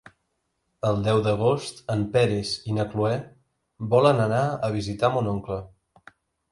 El deu d'agost en Peris i na Cloè volen anar a visitar mon oncle.